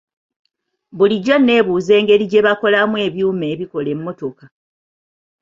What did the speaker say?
Bulijjo neebuuza engeri gye bakolamu ebyuma ebikola emmotoka.